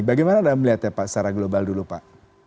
bagaimana anda melihat ya pak secara global dulu pak